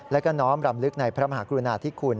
และก็น้อมรำลึกในพระมหากรุณาธิคุณ